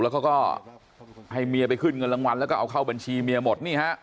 แล้วเขาก็ให้เมียไปขึ้นเงินรางวัลแล้วก็เอาเข้าบัญชีเมียหมดนี่ฮะ